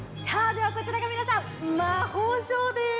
では、こちらが皆さん、魔法省です。